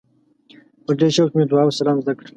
په ډېر شوق مې دعا او سلام زده کړل.